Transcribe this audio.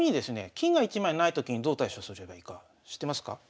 金が１枚無いときにどう対処すればいいか知ってますか？